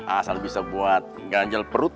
asal bisa buat ganjal perut